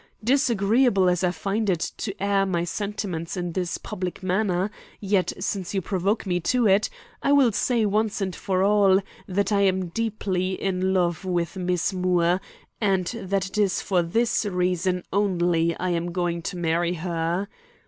Disagreeable as I find it to air my sentiments in this public manner, yet since you provoke me to it, I will say once and for all, that I am deeply in love with Miss Moore, and that it is for this reason only I am going to marry her.